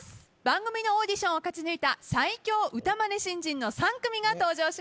番組のオーディションを勝ち抜いた最強歌まね新人の３組が登場します。